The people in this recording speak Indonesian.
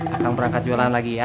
akan berangkat jualan lagi ya